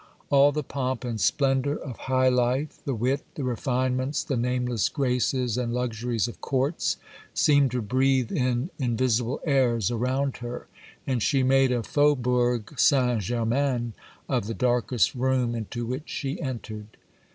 All the pomp and splendour of high life, the wit, the refinements, the nameless graces and luxuries of courts, seemed to breathe in invisible airs around her, and she made a Faubourg St. Germain of the darkest room into which she entered.